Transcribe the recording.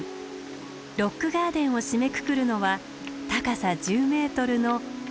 ロックガーデンを締めくくるのは高さ１０ｍの綾広の滝。